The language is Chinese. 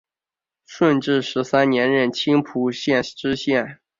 顺治十三年任青浦县知县。